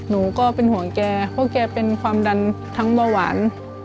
หนูก็เป็นห่วงแกเพราะแกเป็นความดันทั้งเบาหวาน